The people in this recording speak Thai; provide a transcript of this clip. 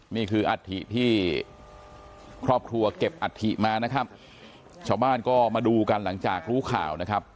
นี่คืออัฐิที่ครอบครัวเก็บอัฐิมานะครับชาวบ้านก็มาดูกันหลังจากรู้ข่าวนะครับ